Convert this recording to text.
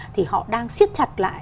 thì họ đang siết chặt lại